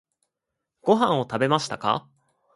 ご飯を食べましたか？